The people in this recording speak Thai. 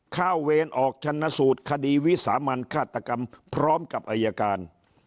เวรออกชนะสูตรคดีวิสามันฆาตกรรมพร้อมกับอายการ